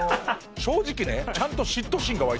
正直ね。